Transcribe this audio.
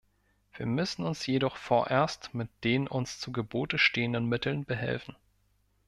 Wir müssen uns jedoch vorerst mit den uns zu Gebote stehenden Mitteln behelfen.